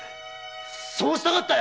そうしたかったよ。